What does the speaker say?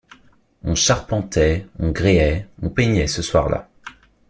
On charpentait, on gréait, on peignait Ce soir-là